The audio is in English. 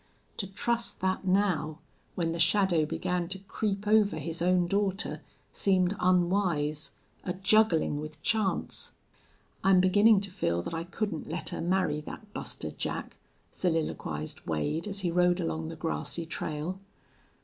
To trust that now, when the shadow began to creep over his own daughter, seemed unwise a juggling with chance. "I'm beginnin' to feel that I couldn't let her marry that Buster Jack," soliloquized Wade, as he rode along the grassy trail.